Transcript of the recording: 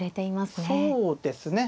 そうですね。